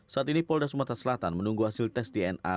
saat ini polda sumatera selatan menunggu hasil tes dna